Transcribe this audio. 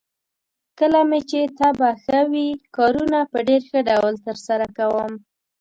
کله مې چې طبعه ښه وي، کارونه په ډېر ښه ډول ترسره کوم.